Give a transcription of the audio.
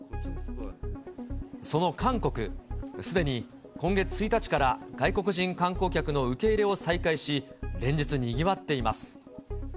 その韓国、すでに今月１日から外国人観光客の受け入れを再開し、連日にぎわっています。